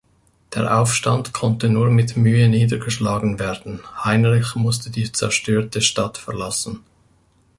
Der Aufstand konnte nur mit Mühe niedergeschlagen werden, Heinrich musste die zerstörte Stadt verlassen.